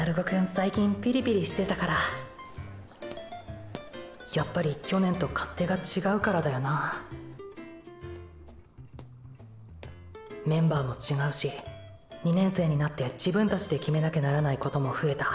最近ピリピリしてたからやっぱり去年と勝手が違うからだよなぁメンバーも違うし２年生になって自分たちで決めなきゃならないことも増えた。